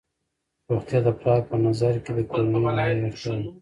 روغتیا د پلار په نظر کې د کورنۍ لومړنۍ اړتیا ده.